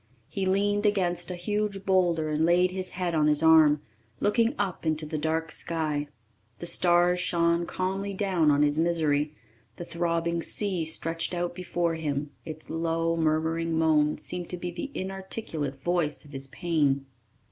He leaned against a huge boulder and laid his head on his arm, looking up into the dark sky. The stars shone calmly down on his misery; the throbbing sea stretched out before him; its low, murmuring moan seemed to be the inarticulate voice of his pain.